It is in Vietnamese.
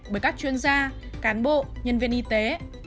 bởi các chuyên gia cán bộ nhân viên y tế